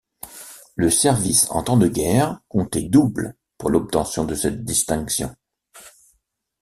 Le service en temps de guerre comptait double pour l'obtention de cette distinction.